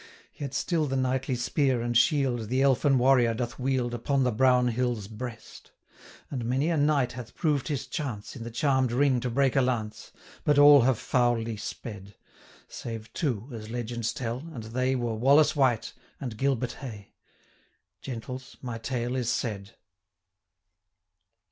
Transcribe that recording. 500 Yet still the knightly spear and shield The Elfin Warrior doth wield, Upon the brown hill's breast; And many a knight hath proved his chance, In the charm'd ring to break a lance, 505 But all have foully sped; Save two, as legends tell, and they Were Wallace wight, and Gilbert Hay. Gentles, my tale is said.'